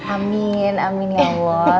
amin amin ya allah